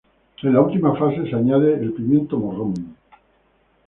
En la última fase se añade el pimiento morrón.